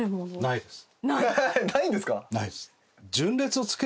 ないです。